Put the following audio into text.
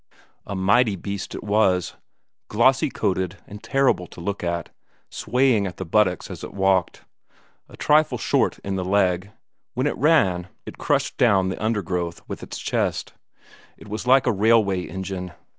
A mighty beast it was, glossy coated and terrible to look at, swaying at the buttocks as it walked. A trifle short in the leg; when it ran, it crushed down the undergrowth with its chest; it was like a railway engine.